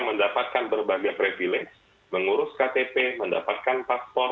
mendapatkan berbagai privilege mengurus ktp mendapatkan paspor